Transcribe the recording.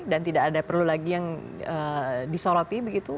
dan tidak ada perlu lagi yang disoroti begitu